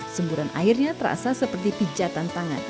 semburan airnya terasa seperti pijatan tangan